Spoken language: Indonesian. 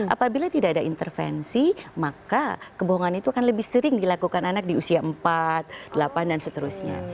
apabila tidak ada intervensi maka kebohongan itu akan lebih sering dilakukan anak di usia empat delapan dan seterusnya